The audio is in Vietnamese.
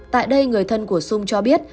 tại đây người thân của sung cho biết